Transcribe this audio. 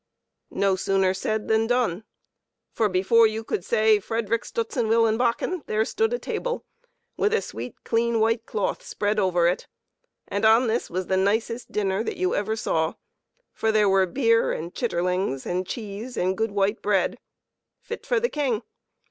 No sooner said than done; for, before you could say Frederic Strutzenwillenbachen, there stood a table, with a sweet, clean, white cloth spread over it, and on this was the nicest dinner that you ever saw, for there was beer and chitterlings, and cheese and good white bread, fit for the king.